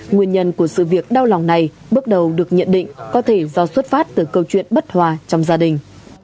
nguyên nhân của sự việc đau lòng này bước đầu được nhận định có thể do xuất phát từ câu chuyện bất hòa trong gia đình